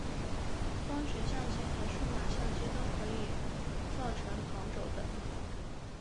光学相机和数码相机都可以造成旁轴的。